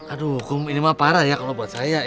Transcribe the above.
aduh ini memang parah kalau buat saya